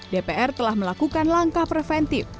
dpr telah melakukan langkah preventif